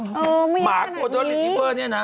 เออไม่มีขนาดนี้หมากกว่าเจ้าเล็กนิเฟอร์นี่นะ